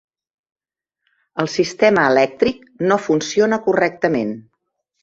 El sistema elèctric no funciona correctament.